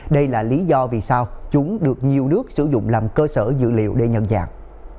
đây là lý do vì sao chúng được nhiều nước sử dụng làm cơ sở dữ liệu để nhận dạng